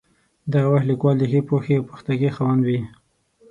دغه وخت لیکوال د ښې پوهې او پختګۍ خاوند وي.